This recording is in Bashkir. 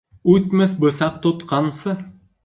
Үтмәҫ бысаҡ тотҡансы